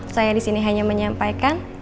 saya disini hanya menyampaikan